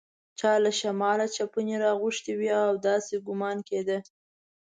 چا له شماله چپنې راغوښتي وې او داسې ګومان کېده.